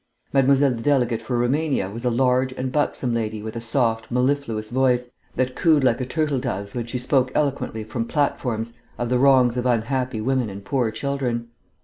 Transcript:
Mademoiselle the delegate for Roumania was a large and buxom lady with a soft, mellifluous voice that cooed like a turtle dove's when she spoke eloquently from platforms of the wrongs of unhappy women and poor children.